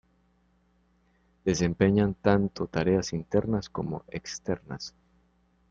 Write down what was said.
Desempeñan tanto tareas internas como externas.